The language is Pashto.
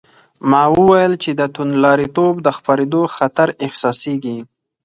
ما وویل چې د توندلاریتوب د خپرېدو خطر احساسېږي.